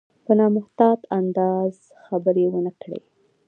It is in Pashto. په نامحتاط انداز خبرې ونه کړي.